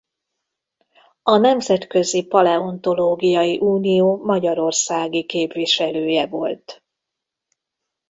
A Nemzetközi Paleontológiai Unió magyarországi képviselője volt.